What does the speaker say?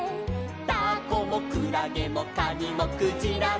「タコもクラゲもカニもクジラも」